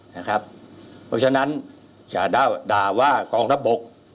เพราะฉะนั้นอย่าด่าว่ากองทัพบก